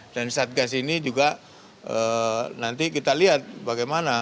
dan satgas ini juga nanti kita lihat bagaimana